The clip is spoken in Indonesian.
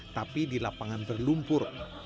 tapi di lapangan berlumpur